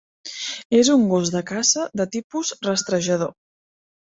És un gos de caça de tipus rastrejador.